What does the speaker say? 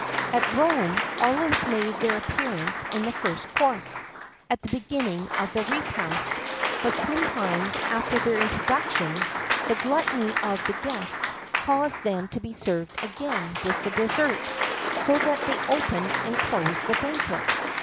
[XII 33] At Rome, olives made their appearance in the first course, at the beginning of the repast; but sometimes, after their introduction, the gluttony of the guests caused them to be served again with the dessert: so that they opened and closed the banquet.